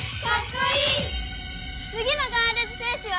次のガールズ×戦士は？